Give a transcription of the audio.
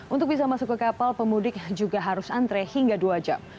untuk bisa masuk ke kapal pemudik juga harus antre hingga dua jam